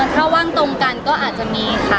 ถ้าว่างตรงกันก็อาจจะมีค่ะ